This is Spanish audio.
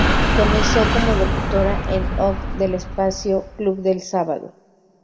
Comenzó como locutora en "off" del espacio "Club del sábado".